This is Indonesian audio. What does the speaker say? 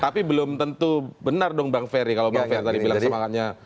tapi belum tentu benar dong pak ferry kalau pak ferry tadi bilang semangatnya sama